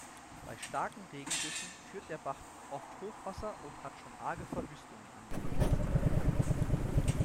Bei starken Regengüssen führt der Bach oft Hochwasser und hat schon arge Verwüstungen angerichtet.